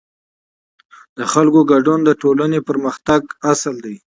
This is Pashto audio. د خلکو ګډون د ټولنې پرمختګ اصل دی